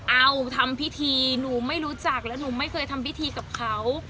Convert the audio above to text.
เอาทำพิธีหนูไม่รู้จักแล้วหนูไม่เคยทำพิธีกับเขา